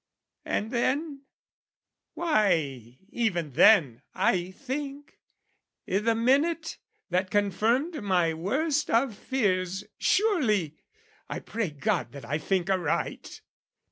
And then, why, even then, I think, I' the minute that confirmed my worst of fears, Surely, I pray God that I think aright!